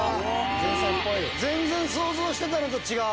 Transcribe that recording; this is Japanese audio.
全然想像してたのと違う。